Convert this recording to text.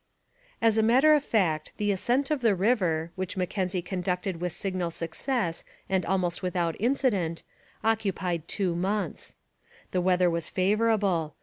As a matter of fact the ascent of the river, which Mackenzie conducted with signal success and almost without incident, occupied two months. The weather was favourable.